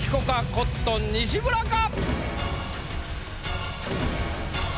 コットン西村か？